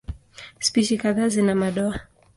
Spishi kadhaa zina madoa.